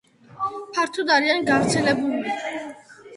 ფართოდ არიან გავრცელებული.